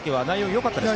よかったです。